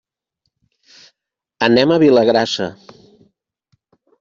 Anem a Vilagrassa.